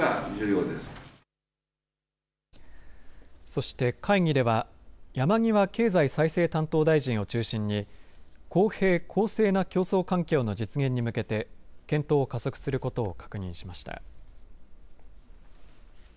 そして、会議では山際経済再生担当大臣を中心に公平・公正な競争環境の実現に向けて検討を加速することを確認しました。